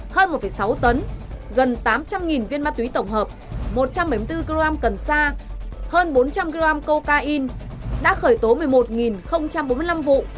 hơn một sáu tấn gần tám trăm linh viên ma túy tổng hợp một trăm bảy mươi bốn kg cần sa hơn bốn trăm linh kg cocaine đã khởi tố một mươi một bốn mươi năm vụ một mươi sáu một trăm một mươi bảy bị can